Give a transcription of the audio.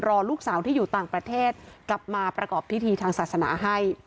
ลูกสาวที่อยู่ต่างประเทศกลับมาประกอบพิธีทางศาสนาให้